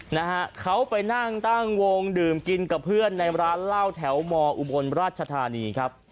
นะฮะเขาไปนั่งตั้งวงดื่มกินกับเพื่อนในร้านเหล้าแถวมอุบลราชธานีครับ